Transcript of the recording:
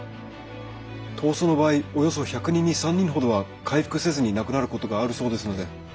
痘瘡の場合およそ１００人に３人ほどは回復せずに亡くなることがあるそうですので。